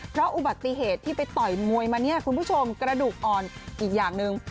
เพราะอุบัติเหตุที่ไปต่อยมวยมาเนี่ยคุณผู้ชมกระดูกอ่อนอีกอย่างหนึ่ง